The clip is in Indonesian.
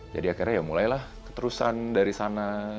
jadi akhirnya ya mulailah keterusan dari sana